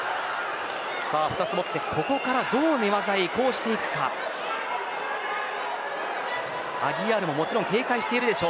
２つ持ってここからどう寝技へ移行していくかです。